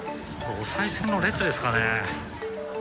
おさい銭の列ですかね。